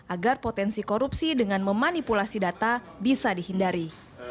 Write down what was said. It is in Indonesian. agar potensi korupsi dengan memanipulasi data bisa dihindari